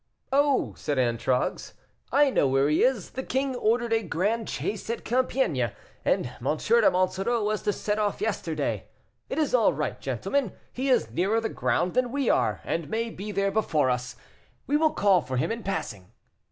"Oh!" said Antragues, "I know where he is; the king ordered a grand chase at Compiègne, and M. de Monsoreau was to set off yesterday. It is all right, gentlemen; he is nearer the ground than we are, and may be there before us. We will call for him in passing."